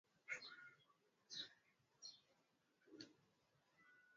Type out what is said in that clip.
Njia za mawasiliano zimeanzishwa ili kuepuka hali hiyo.